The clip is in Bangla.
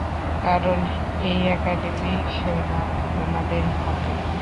কারণ এই একাডেমির সুনাম তোমাদের হাতে।